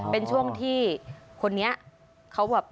เป็นช่วงที่คนนี้เขาแบบ